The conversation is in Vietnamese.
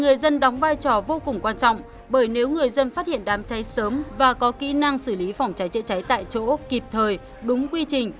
người dân đóng vai trò vô cùng quan trọng bởi nếu người dân phát hiện đám cháy sớm và có kỹ năng xử lý phòng cháy chữa cháy tại chỗ kịp thời đúng quy trình